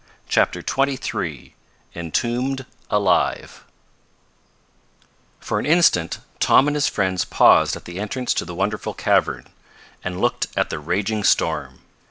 CHAPTER XXIII ENTOMBED ALIVE For an instant Tom and his friends paused at the entrance to the wonderful cavern, and looked at the raging storm.